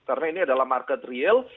karena ini adalah market real